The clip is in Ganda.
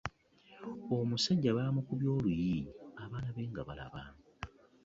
Omusajja baamukubye oluyi ng'abaana be balaba.